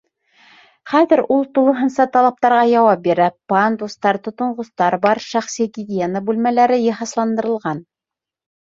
Хәҙер ул тулыһынса талаптарға яуап бирә: пандустар, тотонғостар бар, шәхси гигиена бүлмәләре йыһазландырылған.